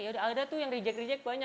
ya udah ada tuh yang rejec reject banyak